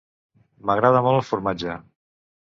M'agrada molt el formatge.